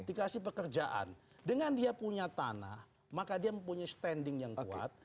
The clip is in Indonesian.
dikasih pekerjaan dengan dia punya tanah maka dia mempunyai standing yang kuat